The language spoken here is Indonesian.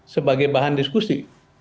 sebagai bahan diskusi